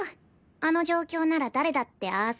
あの状況なら誰だってああする。